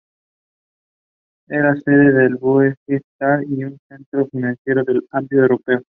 Era sede del "Bundestag" y un centro financiero de ámbito europeo.